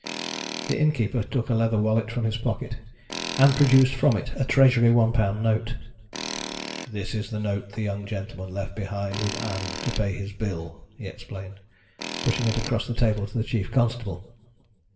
The innkeeper took a leather wallet from his pocket and produced from it a Treasury £1 note. "This is the note the young gentleman left behind with Ann to pay his bill," he explained, pushing it across the table to the chief constable.